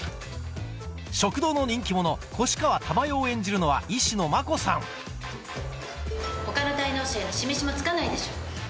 食堂の人気者越川珠代を演じるのは石野真子さん他の滞納者への示しもつかないでしょ。